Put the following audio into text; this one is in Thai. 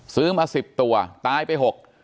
ซื้อมา๑๐ตัวตายไป๖